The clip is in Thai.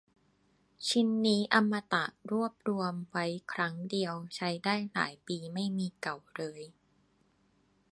ชิ้นนี้อมตะ รวบรวมไว้ครั้งเดียว ใช้ได้หลายปี ไม่มีเก่าเลย